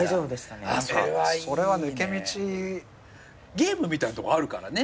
ゲームみたいなとこあるからね。